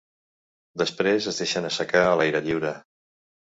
Després es deixen assecar a l’aire lliure.